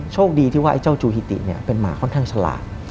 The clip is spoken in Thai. โชคดีที่ว่าไอ้เจ้าจูฮิติเป็นหมาค่อนข้างฉลาด